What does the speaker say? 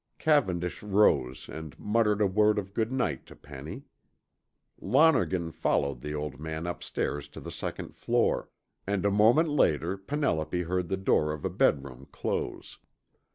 Cavendish rose and muttered a word of good night to Penny. Lonergan followed the old man upstairs to the second floor, and a moment later Penelope heard the door of a bedroom close.